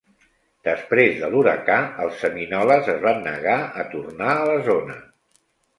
Després de l'huracà, els seminoles es van negar a tornar a la zona.